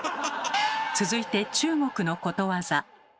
続いて中国のことわざ。